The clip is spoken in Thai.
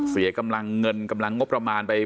เสียกำลังเงินกำลังงบประมาณไป